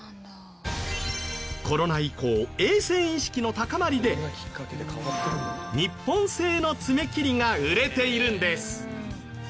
コロナ以降衛生意識の高まりで日本製の爪切りが売れているんです。